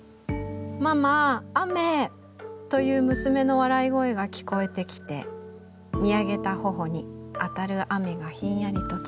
『ママー雨ー！』という娘の笑い声が聞こえてきて見上げた頬に当たる雨がひんやりと冷たかった」。